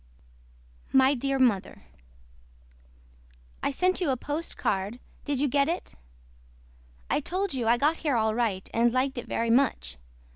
MY DEAR MOTHER I SENT YOU A POSTCARD DID YOU GET IT. I TOLD YOU I GOT HERE ALL RIGHT AND LIKED IT VERY MUCH.